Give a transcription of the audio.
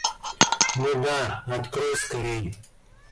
Ну да, открой скорей!